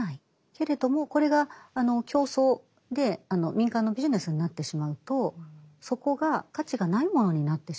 けれどもこれが競争で民間のビジネスになってしまうとそこが価値がないものになってしまう。